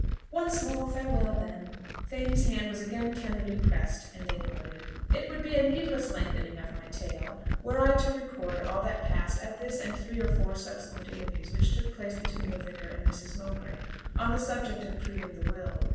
"Once more, farewell, then!" Fanny's hand was again tenderly pressed, and they parted. It would be a needless lengthening of my tale, were I to record all that passed at this and three or four subsequent interviews which took place between the vicar and Mrs. Mowbray on the subject of proving the will.